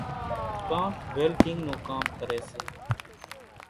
ڪانڪ ويلڍينڳ نون ڪام ڪريَ سي۔